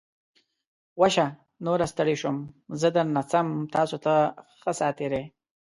وشه. نوره ستړی شوم. زه درنه څم. تاسو ته ښه ساعتېری!